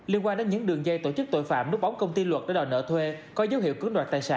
liên quan đến những đường dây tổ chức tội phạm nút bóng công ty luật đòi nợ thuê có dấu hiệu cứng đoạt tài sản